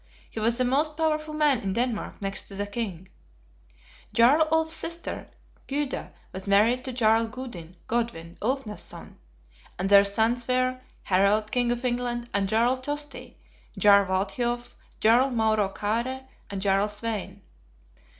He was the most powerful man in Denmark next to the King. Jarl Ulf's sister, Gyda, was married to Jarl Gudin (Godwin) Ulfnadson; and their sons were, Harald King of England, and Jarl Tosti, Jarl Walthiof, Jarl Mauro Kaare, and Jarl Svein.